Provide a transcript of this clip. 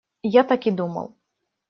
Я так и думал!